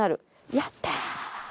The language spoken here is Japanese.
やったー！